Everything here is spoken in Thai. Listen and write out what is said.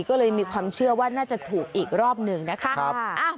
ก็เลยมีความเชื่อว่าน่าจะถูกอีกรอบหนึ่งนะคะ